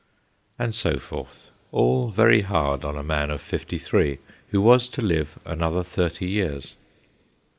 And so forth all very hard on a man of fifty three, who was to live another thirty years.